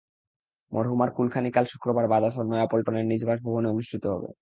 মরহুমার কুলখানি কাল শুক্রবার বাদ আসর নয়াপল্টনের নিজ বাসভবনে অনুষ্ঠিত হবে।